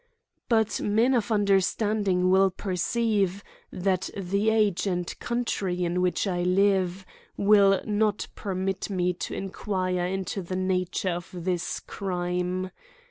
But men of understanding will perceive, that the age and country in which I live, will not permit me to inquire into the nature of this crime.